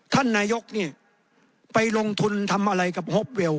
ท่านนายกนี้ไปลงทุนทำอะไรกับฮบวีลล์